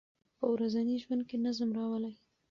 په ورځني ژوند کې نظم راولئ.